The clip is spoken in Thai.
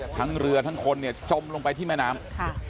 ทั้งเรือทั้งคนเนี่ยจมลงไปที่แม่น้ำ